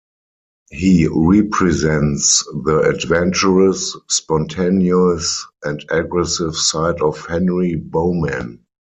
He represents the adventurous, spontaneous and aggressive side of Henry Bowman.